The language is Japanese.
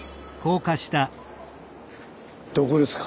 どこですか？